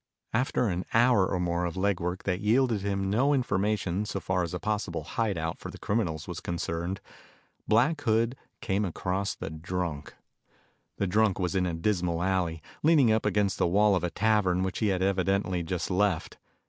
After an hour or more of leg work that yielded him no information so far as a possible hideout for the criminals was concerned, Black Hood came across the drunk. The drunk was in a dismal alley, leaning up against the wall of a tavern which he had evidently just left.